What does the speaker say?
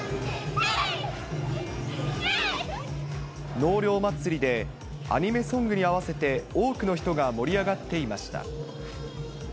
納涼祭りでアニメソングに合わせて、多くの人が盛り上がっていました。